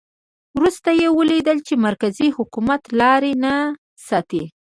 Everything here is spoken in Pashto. وروسته یې ولیدل چې مرکزي حکومت لاري نه ساتي.